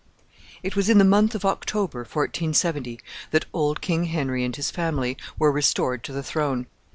It was in the month of October, 1470, that old King Henry and his family were restored to the throne.